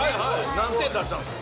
何点出したんですか？